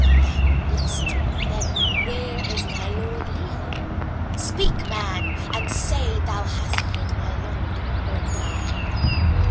Thou livest; then where is my lord Leo? Speak, man, and say where thou hast hid my lord or die."